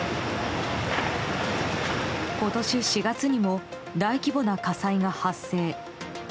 今年４月にも大規模な火災が発生。